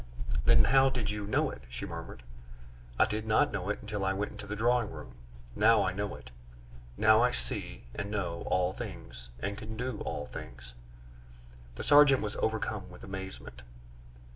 "Then how did you know it?" she murmured. "I did not know it until I went into the drawing room; now I know it now I see and know all things, and can do all things." The sergeant was overcome with amazement.